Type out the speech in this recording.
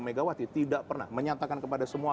megawati tidak pernah menyatakan kepada semua